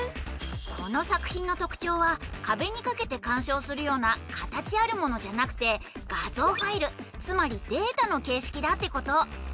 この作品のとくちょうはかべにかけてかんしょうするようなかたちあるものじゃなくて画像ファイルつまりデータの形式だってこと。